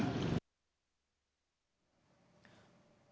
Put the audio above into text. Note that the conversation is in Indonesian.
ketika di rumah polisi menemukan satu pucuk senjata korek api